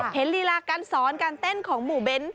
ลีลาการสอนการเต้นของหมู่เบ้น